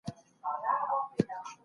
همداراز، له بده مرغه باید وویل سي، چي د